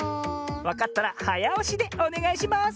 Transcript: わかったらはやおしでおねがいします！